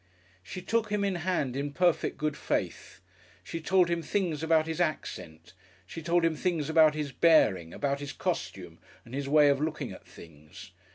She took him in hand in perfect good faith. She told him things about his accent, she told him things about his bearing, about his costume and his way of looking at things.